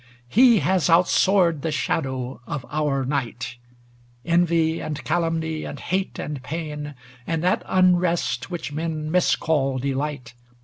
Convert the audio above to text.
XL He has outsoared the shadow of our night; Envy and calumny and hate and pain, And that unrest which men miscall de light.